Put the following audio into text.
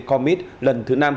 comet lần thứ năm